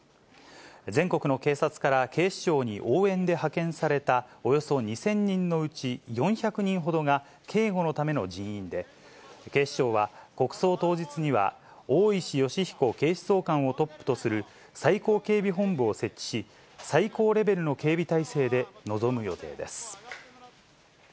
全国の警察から警視庁に応援で派遣されたおよそ２０００人のうち４００人ほどが、警護のための人員で、警視庁は、国葬当日には大石吉彦警視総監をトップとする最高警備本部を設置し、最高レベルの警備体制で臨む予定です。